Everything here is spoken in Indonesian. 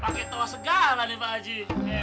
pak haji pake tauah segala nih pak haji